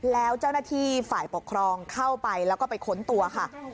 แล้วเจ้าหน้าที่ฝ่ายปกครองเข้าไปแล้วก็ไปค้นตัวค่ะ